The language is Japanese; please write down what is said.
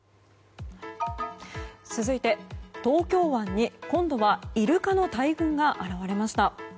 続いて東京湾に今度はイルカの大群が現れました。